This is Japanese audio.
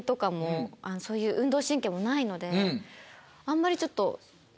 あんまりちょっと。